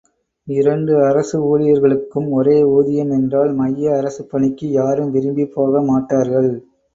இரண்டு அரசு ஊழியர்களுக்கும் ஒரே ஊதியம் என்றால் மைய அரசுப் பணிக்கு யாரும் விரும்பிப் போகமாட்டார்கள்.